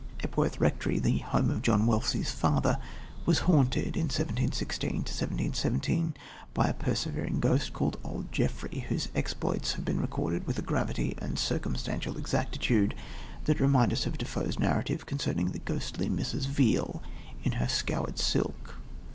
Epworth Rectory, the home of John Wesley's father, was haunted in 1716 17 by a persevering ghost called Old Jeffrey, whose exploits are recorded with a gravity and circumstantial exactitude that remind us of Defoe's narrative concerning the ghostly Mrs. Veal in her "scoured" silk.